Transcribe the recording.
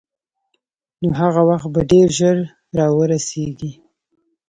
نو هغه وخت به ډېر ژر را ورسېږي.